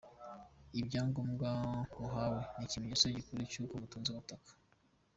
Ibyangombwa muhawe ni ikimenyetso gikuru cy’uko mutunze ubutaka.